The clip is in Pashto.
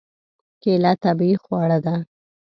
کېله طبیعي خواړه ده.